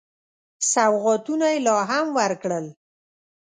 سوغاتونه یې لا هم ورکړل.